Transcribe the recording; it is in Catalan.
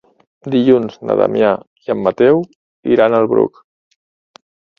Dilluns na Damià i en Mateu iran al Bruc.